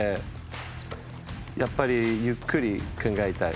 やっぱり、ゆっくり考えたい。